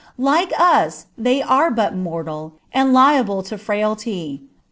Like us, they are but mortal, and liable to frailty.